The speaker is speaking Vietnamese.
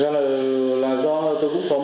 rồi là do tôi cũng có mối quan hệ